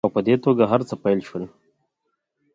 او په دې توګه هرڅه پیل شول